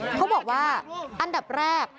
เขาบอกว่าอันดับแรก